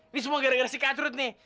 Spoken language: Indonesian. ini semua gara gara si kadrut nih